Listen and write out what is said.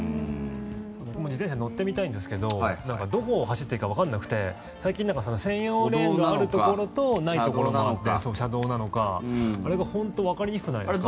僕も自転車乗ってみたいんですけどどこを走っていいかわからなくて最近、専用レーンがあるところとないところが車道なのか、あれが本当にわかりにくくないですか？